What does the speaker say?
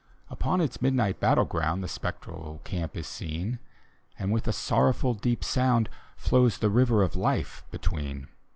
Upon its midnight battle ground The spectral camp is seen. And, with a sorrowful, deep sound, Flows the River of Life between.